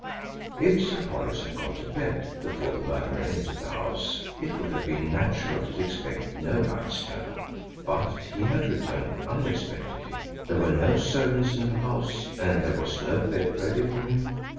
If Sir Horace had gone to bed before the murderer entered the house it would have been natural to expect no lights turned on. But he had returned unexpectedly; there were no servants in the house, and there was no bed ready for him.